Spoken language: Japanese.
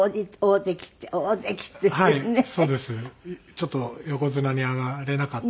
ちょっと横綱に上がれなかったんですけども。